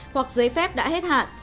hoặc giấy phép đã hạng